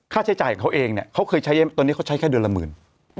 ค่าใช้จ่ายของเขาเองเนี่ยเขาเคยใช้ตอนนี้เขาใช้แค่เดือนละหมื่น